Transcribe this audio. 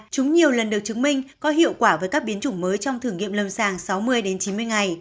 chúng nhiều lần được chứng minh có hiệu quả với các biến chủng mới trong thử nghiệm lâm sàng sáu mươi đến chín mươi ngày